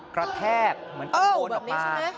กระแทกเหมือนโยนออกมา